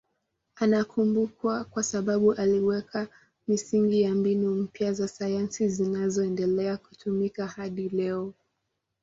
Anakumbukwa kwa sababu aliweka misingi ya mbinu mpya za sayansi zinazoendelea kutumika hadi leo.